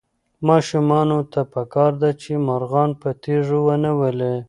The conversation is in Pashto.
ماشومانو ته پکار ده چې مرغان په تیږو ونه ولي.